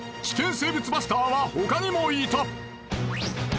生物バスターは他にもいた！